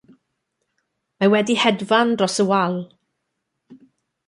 Mae wedi hedfan dros y wal.